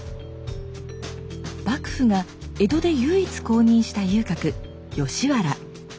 幕府が江戸で唯一公認した遊郭吉原。